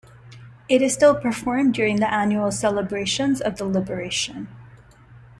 It is still performed during the annual celebrations of the liberation.